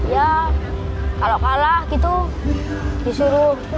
ya kalau kalah gitu disuruh